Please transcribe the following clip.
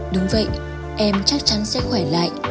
đúng vậy em chắc chắn sẽ khỏe lại